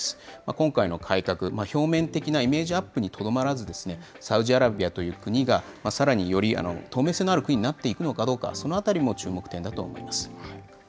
今回の改革、表面的なイメージアップにとどまらず、サウジアラビアという国がさらにより透明性のある国になっていくのかどうか、そのあたりも注目点だと思います。